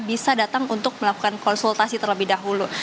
bisa datang untuk melakukan konsultasi terlebih dahulu